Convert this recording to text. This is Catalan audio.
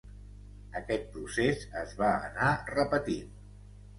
Aquest procés es va anar repetint.